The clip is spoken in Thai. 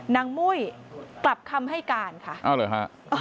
นางมุ้ยกลับคำให้การค่ะอ้าวหรือครับ